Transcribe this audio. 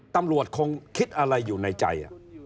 ตำรวจคงคิดอะไรอยู่ในใจ